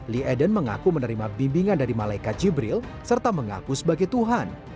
lee eden mengaku menerima bimbingan dari malaikat jibril serta mengaku sebagai tuhan